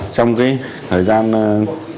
trong cái thời gian cuối